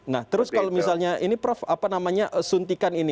nah terus kalau misalnya ini prof apa namanya suntikan ini